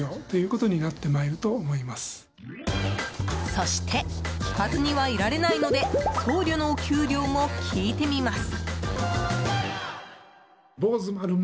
そして聞かずにはいられないので僧侶のお給料も聞いてみます。